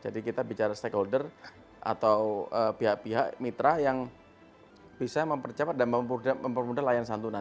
jadi kita bicara stakeholder atau pihak pihak mitra yang bisa mempercepat dan mempermudah layanan santunan